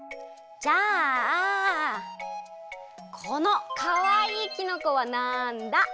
じゃあこのかわいいきのこはなんだ？